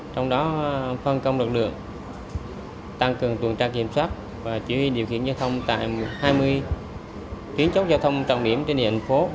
trong đó phân công lực lượng tăng cường tuần tra kiểm soát và chỉ huy điều khiển giao thông tại hai mươi kiến trúc giao thông trọng điểm trên địa hình phố